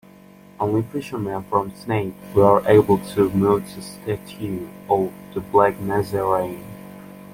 Only fishermen from Sinait were able to move the Statue of the Black Nazarene.